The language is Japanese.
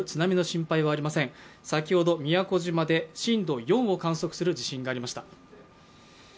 先ほど宮古島で震度４を観測する地震がありました。